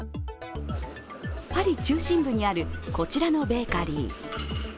パリ中心部にあるこちらのベーカリー。